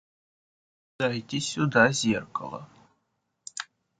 Дайте сюда зеркало.